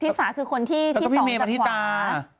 ที่สาคือคนที่ที่สองจากขวาแล้วก็พี่เมย์บันทิตา